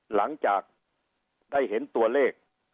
หลังจากได้เห็นตัวเลข